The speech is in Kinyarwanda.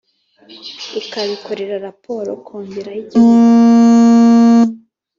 ikabikorera raporo kongere y Igihugu